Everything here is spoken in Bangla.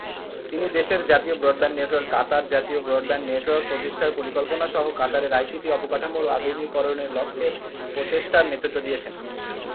তিনি দেশের জাতীয় ব্রডব্যান্ড নেটওয়ার্ক, কাতার জাতীয় ব্রডব্যান্ড নেটওয়ার্ক প্রতিষ্ঠার পরিকল্পনা সহ কাতারের আইসিটি অবকাঠামোর আধুনিকীকরণের লক্ষ্যে প্রচেষ্টার নেতৃত্ব দিয়েছেন।